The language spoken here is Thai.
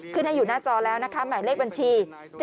ขึ้นให้อยู่หน้าจอแล้วนะคะหมายเลขบัญชี๗๐๘๐๖๒๔๑๗๗